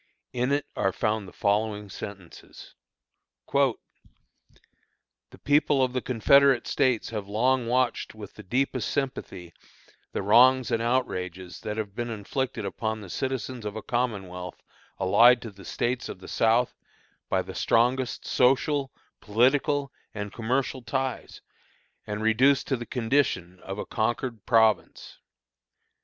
In it are found the following sentences: "The people of the Confederate States have long watched with the deepest sympathy the wrongs and outrages that have been inflicted upon the citizens of a Commonwealth allied to the States of the South by the strongest social, political, and commercial ties, and reduced to the condition of a conquered province.